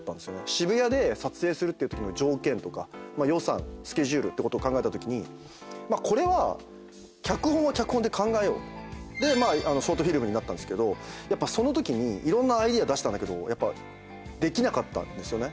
渋谷で撮影するっていうときの条件とか予算スケジュールってことを考えたときにこれは。でまあショートフィルムになったんですけどやっぱそのときにいろんなアイデア出したんだけどできなかったんですよね。